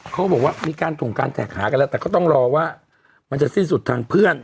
เขาบอกว่ามีการถงการแท็กหากันแล้วแต่ก็ต้องรอว่ามันจะสิ้นสุดทางเพื่อน